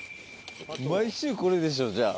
毎週これでしょじゃあ。